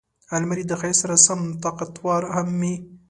الماري د ښایست سره سم طاقتور هم وي